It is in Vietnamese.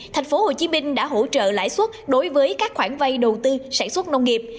thành phố hồ chí minh đã hỗ trợ lãi xuất đối với các khoản vay đầu tư sản xuất nông nghiệp